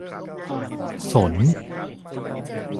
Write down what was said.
สน